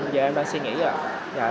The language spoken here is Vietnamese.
giờ em đang suy nghĩ rồi